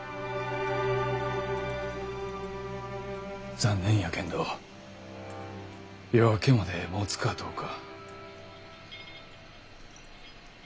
残念やけんど夜明けまでもつかどうか。